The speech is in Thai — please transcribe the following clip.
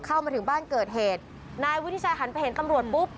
เข้ามาถึงบ้านเกิดเหตุนายวุฒิชัยหันไปเห็นตำรวจปุ๊บ